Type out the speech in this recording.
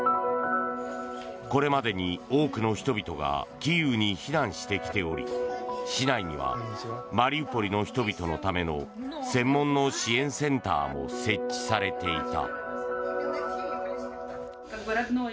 これまでに多くの人々がキーウに避難してきており市内にはマリウポリの人々のための専門の支援センターも設置されていた。